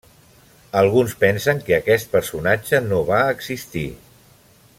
Alguns pensen que aquest personatge no va existir.